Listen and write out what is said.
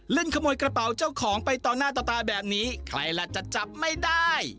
ขโมยกระเป๋าเจ้าของไปต่อหน้าต่อตาแบบนี้ใครล่ะจะจับไม่ได้